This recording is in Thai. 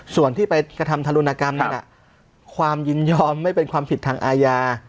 ส่วนที่ไปกระทำทารุณกรรมนั้นความยินยอมไม่เป็นความผิดทางอาญา